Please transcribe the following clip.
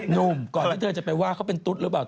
หนุ่มก่อนที่เธอจะไปว่าเขาเป็นตุ๊ดหรือเปล่า